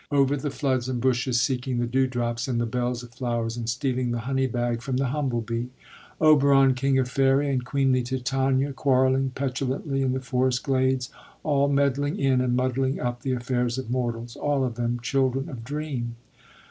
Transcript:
143 REVIEW OF THE FOURTH PERIOD over the floods and bushes, seeking the dewdrops in the bells of flowers and stealing the honey bag from the humble bee ; Oberon, king of faerie, and queenly Titania quarrelling petulantly in the forest glades : all meddling in, and muddling up, the affairs of mortals, all of them children of dream.